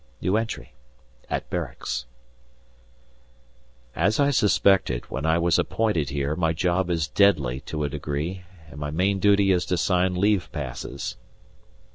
At Barracks. As I suspected when I was appointed here, my job is deadly to a degree, and my main duty is to sign leave passes.